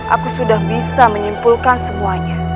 aku sudah bisa menyimpulkan semuanya